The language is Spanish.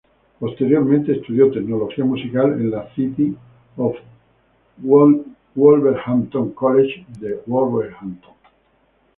Posteriormente, estudió tecnología musical en la City of Wolverhampton College de Wolverhampton.